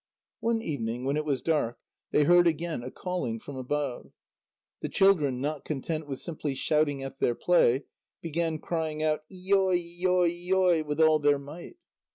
One evening, when it was dark, they heard again a calling from above. The children, not content with simply shouting at their play, began crying out: "Iyoi iyoi iyoi," with all their might.